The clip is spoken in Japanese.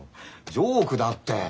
ジョークだって。